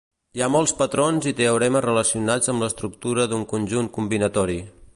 Hi ha molts patrons i teoremes relacionats amb l'estructura d'un conjunt combinatori.